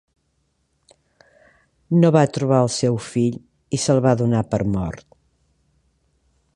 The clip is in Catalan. No va trobar el seu fill i se'l va donar per mort.